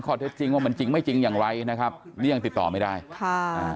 เท็จจริงว่ามันจริงไม่จริงอย่างไรนะครับนี่ยังติดต่อไม่ได้ค่ะอ่า